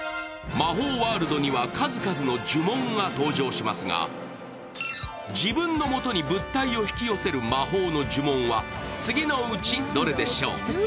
魔法ワールドには数々の呪文が登場しますが自分のもとに物体を引き寄せる魔法の呪文は次のうちどれでしょう。